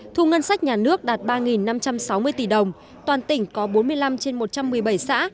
thu ngân sách nhà nước đạt ba năm trăm sáu mươi tỷ đồng toàn tỉnh có bốn mươi năm trên một trăm một mươi bảy xã